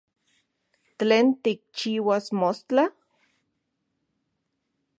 ¿Tlen tikchiuas mostla?